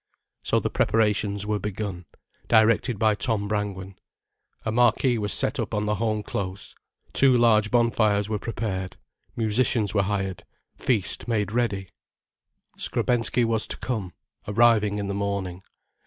So the preparations were begun, directed by Tom Brangwen. A marquee was set up on the home close, two large bonfires were prepared. Musicians were hired, feast made ready. Skrebensky was to come, arriving in the morning.